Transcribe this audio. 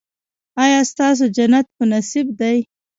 ایا ستاسو جنت په نصیب دی؟